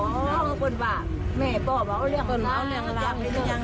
อ๋อควรว่าแม่บอกว่าว่าเขาเรียกคนร้าวเรียกคนร้าว